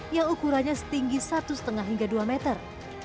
yang ukurannya setinggi satu lima hingga dua meter